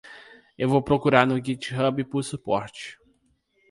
Eu vou procurar no Github por suporte.